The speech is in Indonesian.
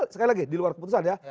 sekali lagi di luar keputusan ya